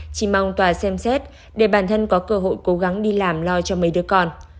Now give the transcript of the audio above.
chỉ mong tòa xem xét để bản thân có cơ hội cố gắng đi làm lo cho mấy đứa con